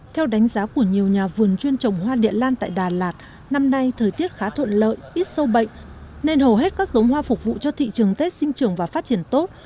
theo đánh giá của nhiều nhà vườn chuyên trồng hoa địa lan tại đà lạt năm nay thời tiết khá thuận lợi ít sâu bệnh nên hầu hết các giống hoa phục vụ cho thị trường tết sinh trưởng và phát triển tốt